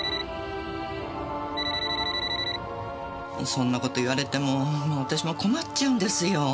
そんな事言われても私も困っちゃうんですよ。